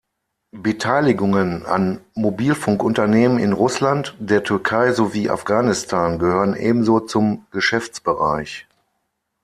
Beteiligungen an Mobilfunkunternehmen in Russland, der Türkei sowie Afghanistan gehören ebenso zum Geschäftsbereich.